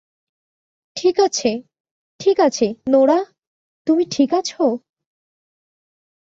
ঠিক আছে - ঠিক আছে - নোরা, তুমি ঠিক আছে?